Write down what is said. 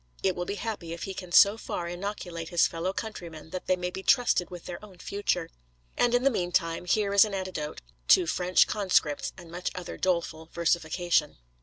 It will be happy if he can so far inoculate his fellow countrymen that they may be trusted with their own future. And in the meantime, here is an antidote to 'French Conscripts' and much other doleful versification.